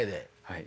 はい。